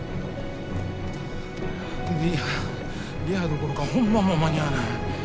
リハリハどころか本番も間に合わない。